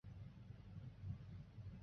昔日罗马城市的存在仍未被证实。